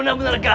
duruh tahan aja